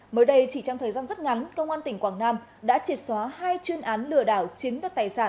mới đây chỉ trong thời gian rất ngắn công an tỉnh quảng nam đã triệt xóa hai chuyên án lừa đảo chiếm đất tài sản